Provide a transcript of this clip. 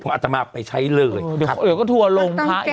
เพราะอัตตามาไปใช้เลยเดี๋ยวเขาก็ถั่วลงภาพอีกเนอะ